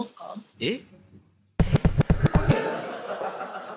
えっ⁉